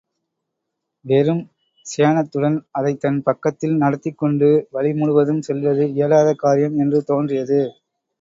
வெறும் சேணத்துடன், அதைத்தன் பக்கத்தில் நடத்திக் கொண்டு வழி முழுவதும் செல்வது இயலாத காரியம் என்று தோன்றியது.